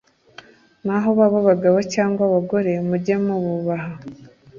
naho baba abagabo cyangwa abagore mujye mububaha.